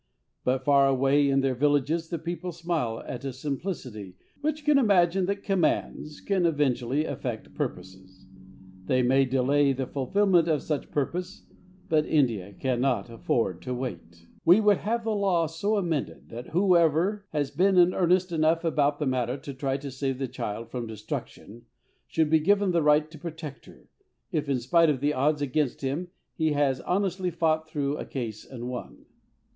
But far away in their villages the people smile at a simplicity which can imagine that commands can eventually affect purposes. They may delay the fulfilment of such purpose; but India can afford to wait. _We would have the law so amended, that whoever has been in earnest enough about the matter to try to save the child from destruction, should be given the right to protect her, if in spite of the odds against him he has honestly fought through a case and won.